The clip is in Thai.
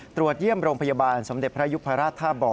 ตรวจเยี่ยมโรงพยาบาลสมเด็จพระยุพราชท่าบ่อ